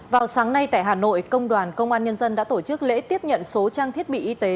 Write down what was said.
vào sáng nay tại hà nội công đoàn công an nhân dân đã tổ chức lễ tiếp nhận số trang thiết bị y tế